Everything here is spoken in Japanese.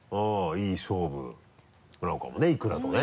いい勝負なのかもね伊倉とね。